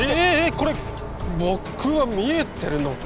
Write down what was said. これ僕は見えてるのか？